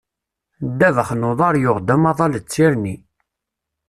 Ddabax n uḍar yuɣ-d amaḍal d tirni.